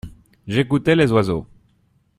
J’écoutais les oiseaux.